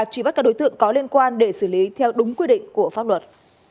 truy bắt các đối tượng có liên quan để xử lý theo đúng quy định của pháp luật